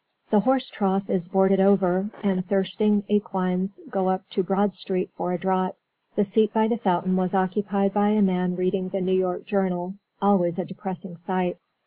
The horse trough is boarded over and thirsting equines go up to Broad Street for a draught. The seat by the fountain was occupied by a man reading the New York Journal, always a depressing sight.